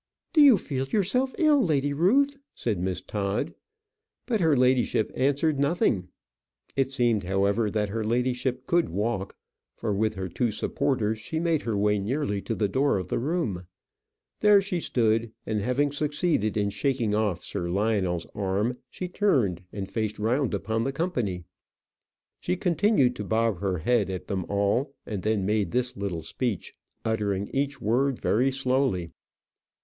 "Do you feel yourself ill, Lady Ruth?" said Miss Todd. But her ladyship answered nothing. It seemed, however, that her ladyship could walk, for with her two supporters she made her way nearly to the door of the room. There she stood, and having succeeded in shaking off Sir Lionel's arm, she turned and faced round upon the company. She continued to bob her head at them all, and then made this little speech, uttering each word very slowly.